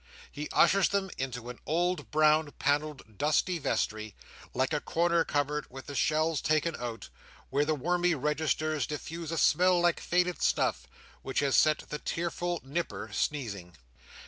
He ushers them into an old brown, panelled, dusty vestry, like a corner cupboard with the shelves taken out; where the wormy registers diffuse a smell like faded snuff, which has set the tearful Nipper sneezing.